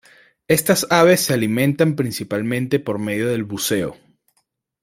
Estas aves se alimentan principalmente por medio del buceo.